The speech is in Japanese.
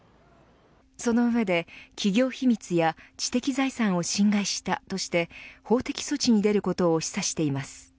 その上で、企業秘密や知的財産を侵害したとして法的措置に出ることを示唆しています。